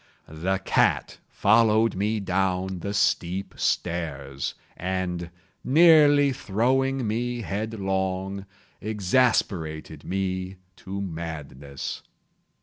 The cat followed me down the steep stairs, and, nearly throwing me headlong, exasperated me to madness.